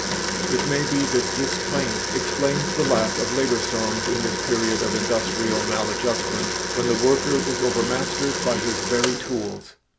It may be that this plaint explains the lack of labor songs in this period of industrial maladjustment when the worker is overmastered by his very tools.